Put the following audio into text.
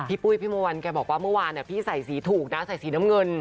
ปุ้ยพี่โมวันแกบอกว่าเมื่อวานพี่ใส่สีถูกนะใส่สีน้ำเงิน